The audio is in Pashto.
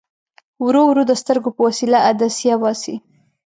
ورو ورو د سترګو په وسیله عدسیه باسي.